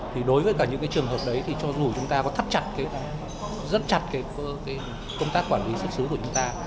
thì đối với cả những trường hợp đấy cho dù chúng ta có thắt chặt rất chặt công tác quản lý xuất xứ của chúng ta